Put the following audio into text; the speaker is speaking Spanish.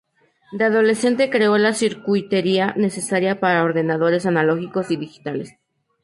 De adolescente creó la circuitería necesaria para ordenadores analógicos y digitales.